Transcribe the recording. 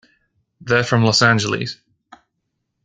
They're from Los Angeles.